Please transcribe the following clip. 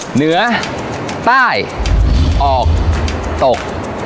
เหนือใต้ออกตก